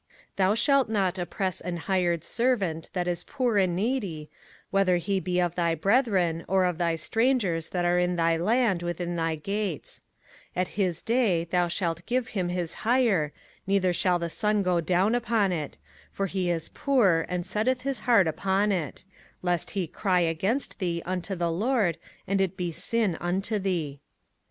05:024:014 Thou shalt not oppress an hired servant that is poor and needy, whether he be of thy brethren, or of thy strangers that are in thy land within thy gates: 05:024:015 At his day thou shalt give him his hire, neither shall the sun go down upon it; for he is poor, and setteth his heart upon it: lest he cry against thee unto the LORD, and it be sin unto thee.